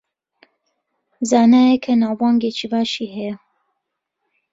زانایەکە ناوبانگێکی باشی هەیە